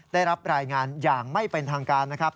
ได้รับรายงานอย่างไม่เป็นทางการนะครับ